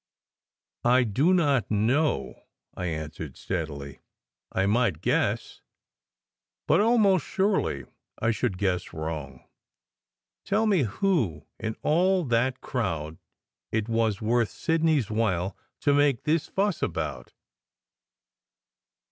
"I do not know," I answered steadily. "I might guess but almost surely I should guess wrong. Tell me who, in all that crowd, it was worth Sidney s while to make this fuss about."